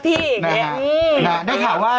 หนุ่มกัญชัยโทรมา